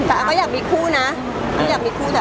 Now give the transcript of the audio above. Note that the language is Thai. อาจจะอยากมีคู่นะ